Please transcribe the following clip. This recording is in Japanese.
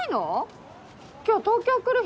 今日東京来る日だよ。